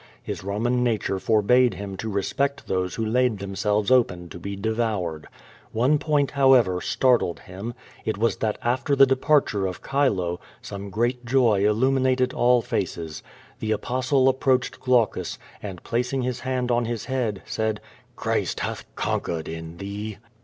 His Soman nature forbade him to respect those who laid themselves open to be devoured. One point, how ever, startled him. It was that after the departure of Chilo, some great joy illuminated all faces. The Apostle approached Glaucus, and placing his hand on his head, said: "Christ hath conquered in thee."